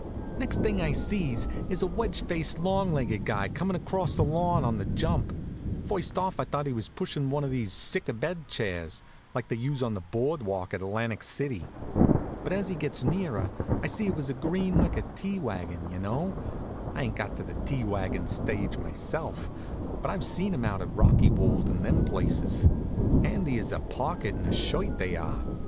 Next thing I sees is a wedge faced, long legged guy comin' across the lawn on the jump. First off I thought he was pushin' one of these sick abed chairs, like they use on the board walk at Atlantic City. But as he gets nearer I see it was a green wicker tea wagon you know. I ain't got to the tea wagon stage myself, but I've seen 'em out at Rockywold and them places. Handy as a pocket in a shirt, they are.